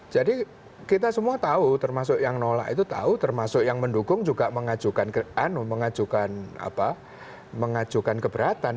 jadi kita semua tahu termasuk yang nolak itu tahu termasuk yang mendukung juga mengajukan keberatan